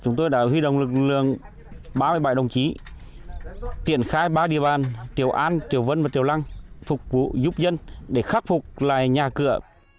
chúng tôi đã huy động lực lượng ba mươi bảy đồng chí tiện khai ba địa bàn triệu an triệu vân và triệu lăng phục vụ giúp dân để khắc phục lại nhà cửa